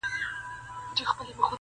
چي هم ما هم مي ټبر ته یې منلی-